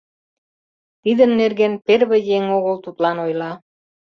Тидын нерген первый еҥ огыл тудлан ойла.